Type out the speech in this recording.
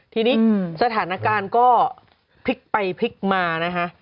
ทีนี้สถานการณ์ก็พลิกไปพลิกมานะคะ